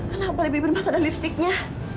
kenapa di bibir mas ada lipsticknya